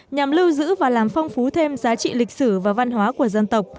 nhằm lưu giữ và làm phong phú thêm giá trị lịch sử và văn hóa của dân tộc